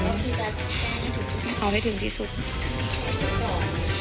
มีความรู้สึกว่า